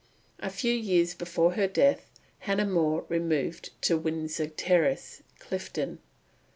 A few years before her death, Hannah More removed to Windsor Terrace, Clifton.